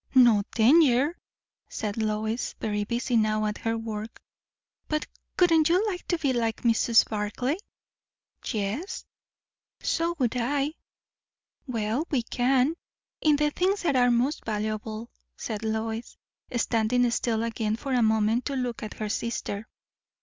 "No danger!" said Lois, very busy now at her work. "But wouldn't you like to be like Mrs. Barclay?" "Yes." "So would I." "Well, we can, in the things that are most valuable," said Lois, standing still again for a moment to look at her sister.